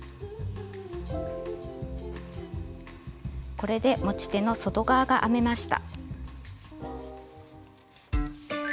これで持ち手の外側が編めました。